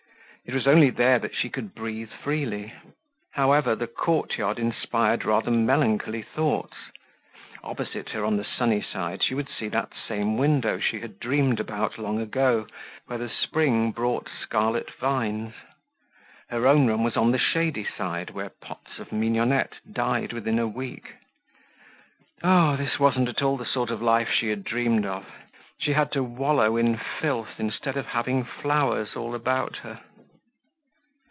It was only there that she could breathe freely. However, the courtyard inspired rather melancholy thoughts. Opposite her, on the sunny side, she would see that same window she had dreamed about long ago where the spring brought scarlet vines. Her own room was on the shady side where pots of mignonette died within a week. Oh, this wasn't at all the sort of life she had dreamed of. She had to wallow in filth instead of having flowers all about her.